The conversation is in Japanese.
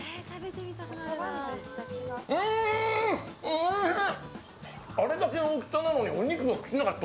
おいしい！